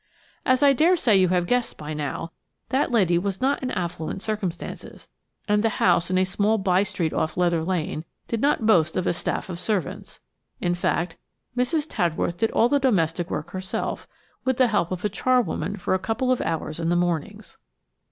As I dare say you have guessed by now, that lady was not in affluent circumstances, and the house in a small by street off Leather Lane did not boast of a staff of servants. In fact, Mrs. Tadworth did all the domestic work herself, with the help of a charwoman for a couple of hours in the mornings.